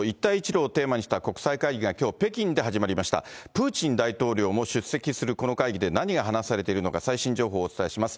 プーチン大統領も出席するこの会議で、何が話されているのか、最新情報をお伝えします。